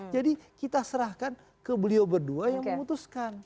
jadi kita serahkan ke beliau berdua yang memutuskan